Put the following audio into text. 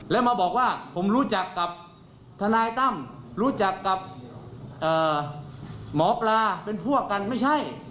แล้วมาบอกว่าผมรู้จักกับทนายตั้มรู้จักกับหมอปลาเป็นพวกกันไม่ใช่